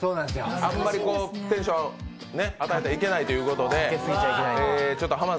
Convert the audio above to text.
あまりテンションあげすぎてはいけないということで。